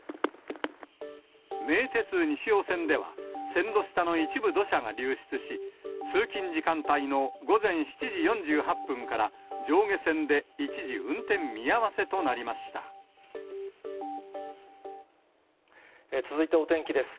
名鉄西尾線では、線路下の一部土砂が流出し、通勤時間帯の午前７時４８分から、上下線で一時、運転見合わせとな続いてお天気です。